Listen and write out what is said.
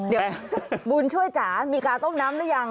เดี๋ยวบุญช่วยจ๋ามีการต้มน้ำหรือยัง